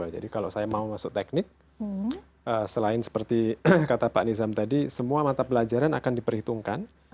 kalau saya mau masuk teknik selain seperti kata pak nizam tadi semua mata pelajaran akan diperhitungkan